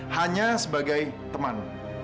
hanya sebagai teman